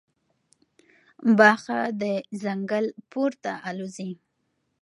باښه د ځنګل پورته الوزي.